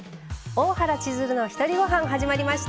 「大原千鶴のひとりごはん」始まりました。